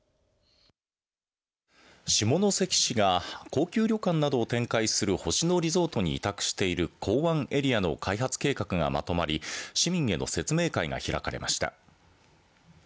下関市が高級旅館などを展開する星野リゾートに委託している港湾エリアの開発計画がまとまり市民への説明会が開かれました。